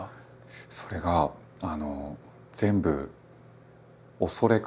それが恐れ？